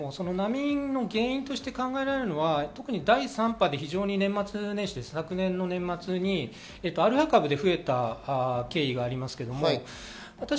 原因として考えられるのは特に第３波で非常に年末年始、昨年年末にアルファ株で増えた経緯があります。